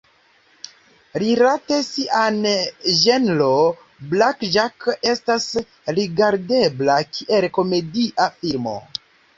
Rilate sian ĝenron, "Black Jack" estas rigardebla kiel komedia filmo.